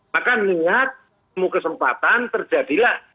maka niat kesempatan terjadilah